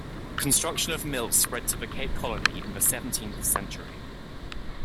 Construction of mills spread to the Cape Colony in the seventeenth century.